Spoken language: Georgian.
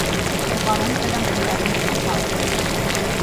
სიყვარულისა და მხიარულების ქალღმერთი.